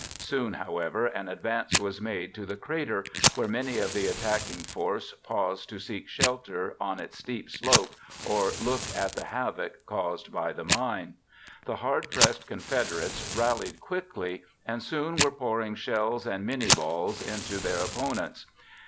Soon, however, an advance was made to the crater, where many of the attacking force paused to seek shelter on its steep slopes or to look at the havoc caused by the mine. The hard pressed Confederates rallied quickly and soon were pouring shells and minié balls into their opponents.